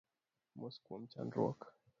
Mos kuom chandruok